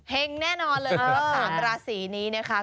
เห็งแน่นอนเลยครับ๓ลาศรีนี้นะคะ